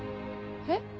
えっ？